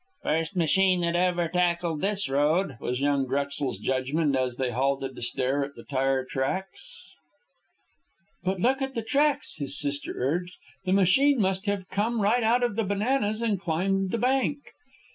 "First machine that ever tackled this road," was young Drexel's judgment, as they halted to stare at the tire tracks. "But look at the tracks," his sister urged. "The machine must have come right out of the bananas and climbed the bank."